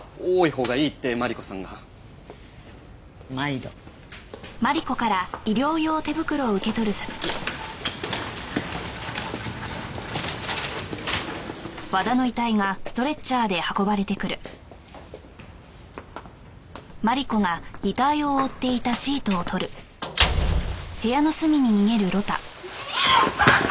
うわあっ！